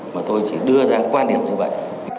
mà tôi chỉ đưa ra quan điểm như vậy